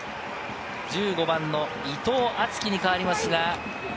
１５番・伊藤敦樹に代わります。